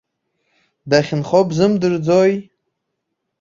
Дахьынхо бзымдырӡои?